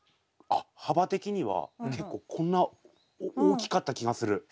あっ幅的には結構こんな大きかった気がする。